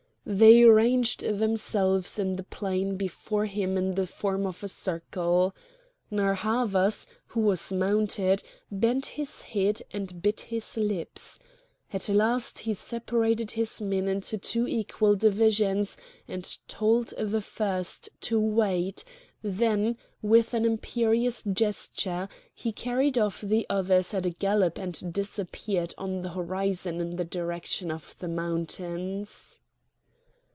They ranged themselves in the plain before him in the form of a circle. Narr' Havas, who was mounted, bent his head and bit his lips. At last he separated his men into two equal divisions, and told the first to wait; then with an imperious gesture he carried off the others at a gallop and disappeared on the horizon in the direction of the mountains.